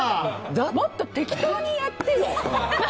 もっと適当にやってよ！